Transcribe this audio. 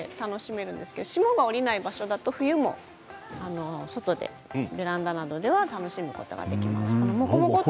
楽しめるんですけど霜がおりない場所だと冬も外でベランダなどでも楽しむことができます。